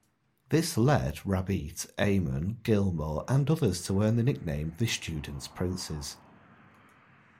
This led Rabbitte, Eamon Gilmore and others to earn the nickname "The Student Princes".